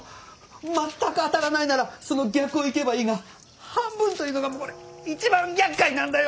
全く当たらないならその逆を行けばいいが半分というのが一番やっかいなんだよ！